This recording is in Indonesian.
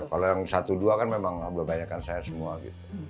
kalau yang satu dua kan memang kebanyakan saya semua gitu